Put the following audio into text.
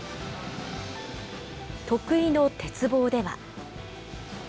得意の鉄棒では。